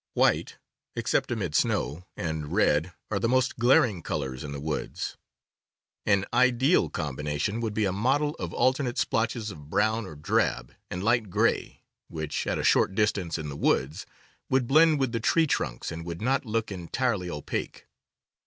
White (except amid snow) and red are the most glaring colors in the woods. An ideal combination would be a mottle of alternate splotches of brown or drab and light gray, which, at a short distance in the woods, would blend with the tree trunks and would not look entirely opaque.